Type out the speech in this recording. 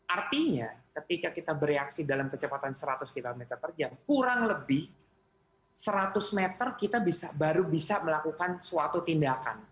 artinya ketika kita bereaksi dalam kecepatan seratus km per jam kurang lebih seratus meter kita baru bisa melakukan suatu tindakan